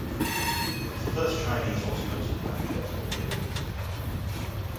It was the first Chinese automotive brand to export vehicles.